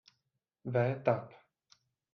V Tab.